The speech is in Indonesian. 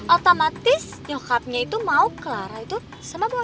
otomatis nyokapnya itu mau clara itu sama boy